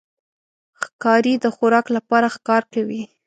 ښکاري د خوراک لپاره ښکار کوي.